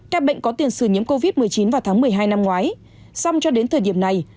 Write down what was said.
các bệnh có tiền sử nhiễm covid một mươi chín vào tháng một mươi hai năm ngoái song cho đến thời điểm này